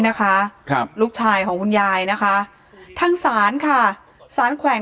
นะคะครับลูกชายของคุณยายนะคะทางศาลค่ะสารแขวง